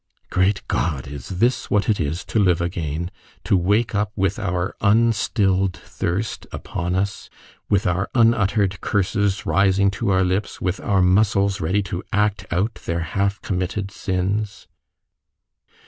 Great God! Is this what it is to live again ... to wake up with our unstilled thirst upon us, with our unuttered curses rising to our lips, with our muscles ready to act out their half committed sins?